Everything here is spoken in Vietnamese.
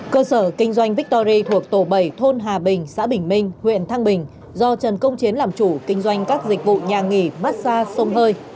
cơ sở kinh doanh victory thuộc tổ bảy thôn hà bình xã bình minh huyện thăng bình do trần công chiến làm chủ kinh doanh các dịch vụ nhà nghỉ mát xa xông hơi